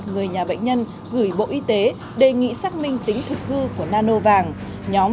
người nhà bệnh nhân gửi bộ y tế đề nghị xác minh tính thực hư của nano vàng